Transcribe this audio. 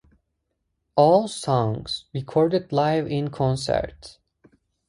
All songs recorded live in concert.